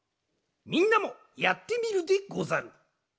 みんなもやってみるでござる。